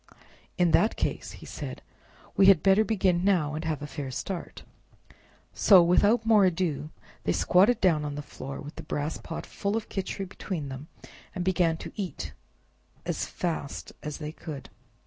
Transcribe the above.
"In that case," he said, "we had better begin now, and have a fair start." So without more ado they squatted down on the floor, with the brass pot full of Khichri between them, and began to eat as fast as they could.